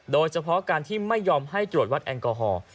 โดยเฉพาะการที่ไม่ยอมให้ตรวจวัดแอลกอฮอล์